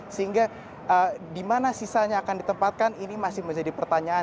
sehingga di mana sisanya akan ditempatkan ini masih menjadi pertanyaan